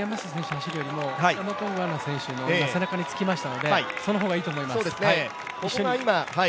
走るよりもラマコンゴアナ選手の背中につきましたのでその方がいいと思います。